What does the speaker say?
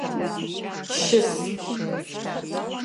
Щыс!